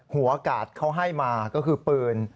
หัวกาดเขาให้มาก็คือปืน